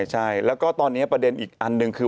ใช่แล้วก็ตอนนี้ประเด็นอีกอันหนึ่งคือ